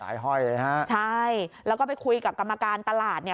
ห้อยเลยฮะใช่แล้วก็ไปคุยกับกรรมการตลาดเนี่ย